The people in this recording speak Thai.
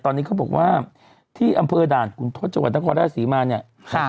ตอนนี้เขาบอกว่าที่อำเภอด่านขุนทศจังหวัดนครราชศรีมาเนี่ย